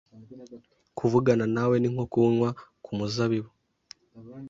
Kuvugana nawe ni nko kunywa ku muzabibu